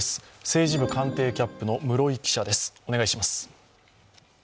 政治部官邸キャップの室井記者、お願いします。